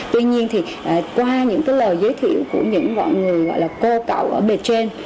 tuy nhiên thì qua những cái lời giới thiệu của những mọi người gọi là cô cậu ở bệt trên